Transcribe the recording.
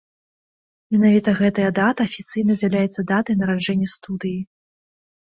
Менавіта гэтая дата афіцыйна з'яўляецца датай нараджэння студыі.